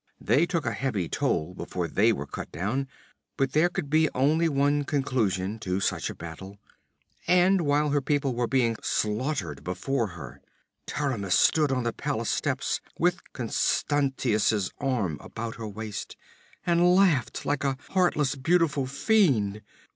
They took a heavy toll before they were cut down, but there could be only one conclusion to such a battle. And while her people were being slaughtered before her, Taramis stood on the palace steps, with Constantius's arm about her waist, and laughed like a heartless, beautiful fiend!